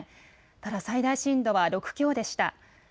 ただ最大震度は６強でした。